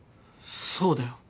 そうだよ。